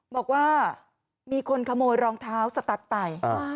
บอกว่ามีคนขโมยรองเท้าสตั๊ดไป